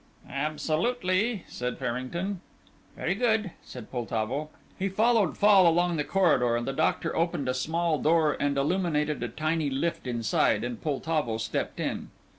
"Absolutely," said Farrington. "Very good," said Poltavo. He followed Fall along the corridor, and the doctor opened a small door and illuminated a tiny lift inside, and Poltavo stepped in.